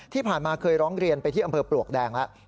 ที่ผ่านมาเคยร้องเรียนไปที่อำเภอปลวกแดงแล้ว